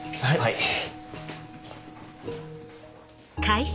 はい。